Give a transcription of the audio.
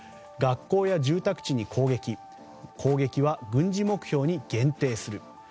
学校や住宅地に攻撃攻撃は軍事目標に限定する。